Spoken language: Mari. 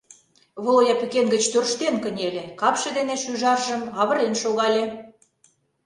Володя пӱкен гыч тӧрштен кынеле, капше дене шӱжаржым авырен шогале.